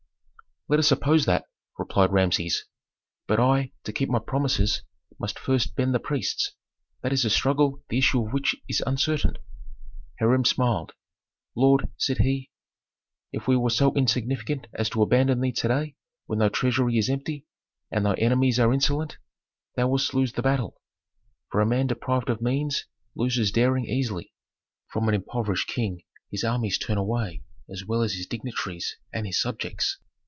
"Let us suppose that," replied Rameses. "But I, to keep my promises, must first bend the priests. That is a struggle the issue of which is uncertain." Hiram smiled. "Lord," said he, "if we were so insignificant as to abandon thee to day when thy treasury is empty, and thy enemies are insolent, thou wouldst lose the battle. For a man deprived of means loses daring easily; from an impoverished king his armies turn away as well as his dignitaries and his subjects.